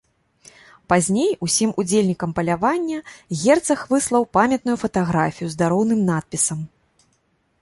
Пазней усім удзельнікам палявання герцаг выслаў памятную фатаграфію з дароўным надпісам.